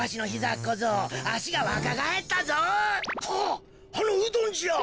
はっあのうどんじゃ！